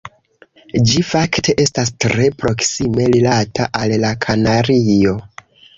Ĝi fakte estas tre proksime rilata al la Kanario.